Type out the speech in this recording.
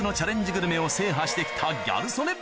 グルメを制覇して来たギャル曽根